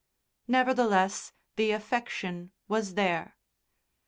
Nevertheless, the affection was there.